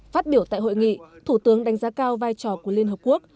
phát biểu tại hội nghị thủ tướng đánh giá cao vai trò của liên hợp quốc